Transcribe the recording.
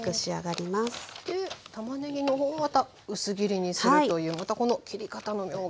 でたまねぎのほうまた薄切りにするというまたこの切り方の妙が。